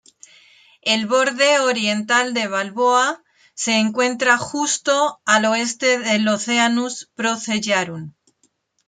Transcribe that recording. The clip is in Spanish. El borde oriental de Balboa se encuentra justo al oeste del Oceanus Procellarum.